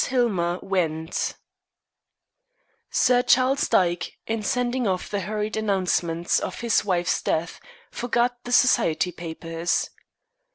HILLMER WENT Sir Charles Dyke, in sending off the hurried announcement of his wife's death, forgot the "society" papers.